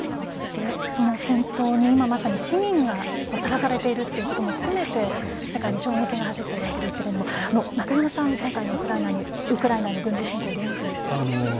そして、その戦闘に今まさに市民がさらされていることも含めて世界に衝撃が走っているわけですが中山さん、今回のウクライナの軍事侵攻をどう見ていますか？